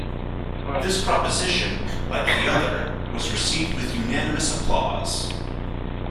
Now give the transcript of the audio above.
This proposition, like the other, was received with unanimous applause.